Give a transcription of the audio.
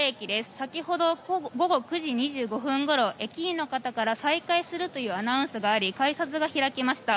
先ほど午後９時２５分ごろ駅員の方から再開するというアナウンスがあり改札が開きました。